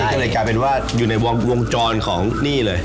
ก็เลยกลายเป็นว่าอยู่ในวงจรของนี่เลย